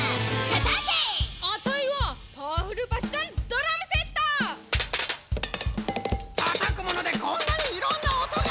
たたくものでこんなにいろんなおとが！